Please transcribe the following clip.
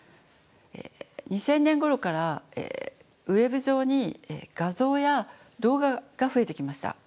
２０００年ごろからＷｅｂ上に画像や動画が増えてきました。